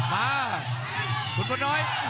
มาคุณพลน้อย